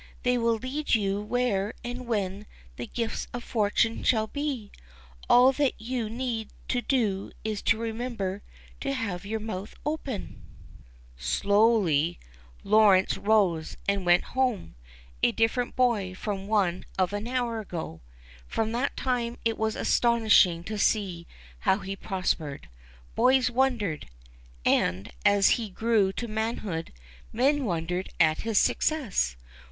They will lead you where and when the gifts of fortune shall be ; all that you need do is to remember to have your mouth open !" "RIGHT TIME " AND " RIGHT PLACE." 40 THE CHILDREN'S WONDER BOOK. Slowly Lawrence rose^ and went home^ a different boy from the one of an hour ago. From that time it was astonishing to see how he prospered. Boys wondered 3 and, as he grew to manhood, men wondered at his success.